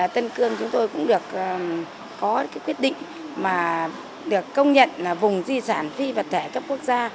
tân cương chúng tôi cũng được có cái quyết định mà được công nhận là vùng di sản phi vật thể cấp quốc gia